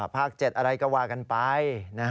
๗อะไรก็ว่ากันไป